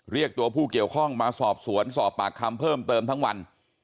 เรียกตัวผู้เกี่ยวข้องมาสอบสวนสอบปากคำเพิ่มเติมทั้งวัน